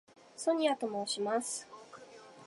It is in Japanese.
ソニアと申します。